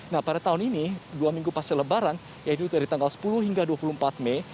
nah pada tahun ini dua minggu pasca lebaran yaitu dari tanggal sepuluh hingga dua puluh empat mei